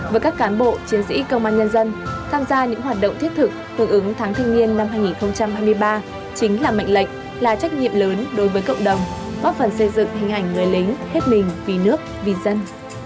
với các cán bộ chiến sĩ công an nhân dân tham gia những hoạt động thiết thực hướng ứng tháng thanh niên năm hai nghìn hai mươi ba chính là mệnh lệnh là trách nhiệm lớn đối với cộng đồng góp phần xây dựng hình ảnh người lính hết mình vì nước vì dân